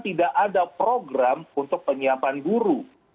tidak ada program untuk penyiapan guru